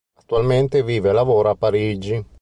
Attualmente vive e lavora a Parigi.